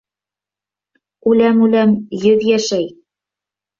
«Үләм-үләм» йөҙ йәшәй.